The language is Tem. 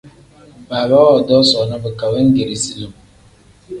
Baaba woodoo soona bika wengeeri lim.